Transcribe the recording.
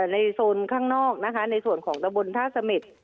ในโซนข้างนอกนะคะในส่วนของตะบนท่าเสม็ด